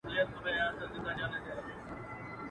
زورولي مي دي خلک په سل ګونو.